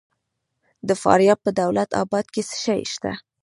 د فاریاب په دولت اباد کې څه شی شته؟